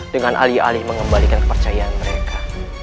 dengan alih alih mengembalikan kepercayaan mereka